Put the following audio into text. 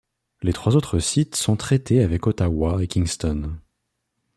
Les trois autres sites sont traités avec Ottawa et Kingston.